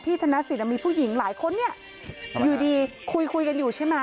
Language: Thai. พี่ธนสิทธิ์มีผู้หญิงหลายคนเนี่ย